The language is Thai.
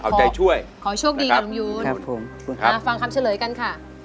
เอาใจช่วยขอโชคดีกับลุงยูนครับผมคุณฮะมาฟังคำเฉลยกันค่ะ